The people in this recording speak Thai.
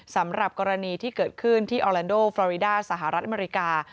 สำหรับกรณีที่เกิดขึ้นที่ออแลนโดฟรอริดาสหรัฐอเมริกา